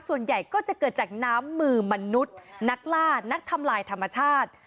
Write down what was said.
ส่วนใหญ่ก็จะเกิดจากน้ำมือมนุษย์นักล่านักทำลายธรรมชาติ